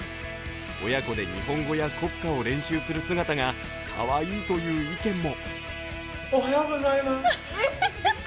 親子で日本語や国歌を練習する姿がかわいいという意見も。